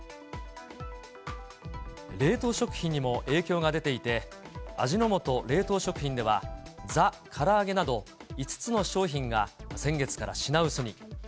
冷凍食品にも影響が出ていて、味の素冷凍食品では、ザ・から揚げなど、５つの商品が先月から品薄に。